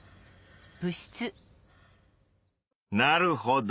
なるほど。